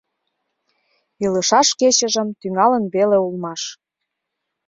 Илышаш кечыжым тӱҥалын веле улмаш.